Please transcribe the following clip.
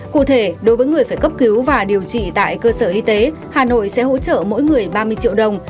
cụ thể đối với người phải cấp cứu và điều trị tại cơ sở y tế hà nội sẽ hỗ trợ mỗi người ba mươi triệu đồng